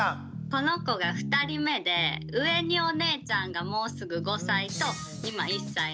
この子が２人目で上にお姉ちゃんがもうすぐ５歳と今１歳なんですけど。